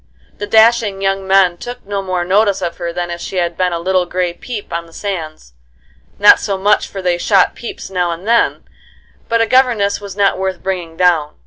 The dashing young men took no more notice of her than if she had been a little gray peep on the sands; not so much, for they shot peeps now and then, but a governess was not worth bringing down.